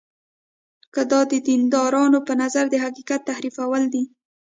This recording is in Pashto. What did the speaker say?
که دا د دیندارانو په نظر د حقیقت تحریفول دي.